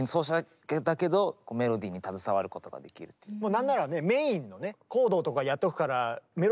何ならメインのね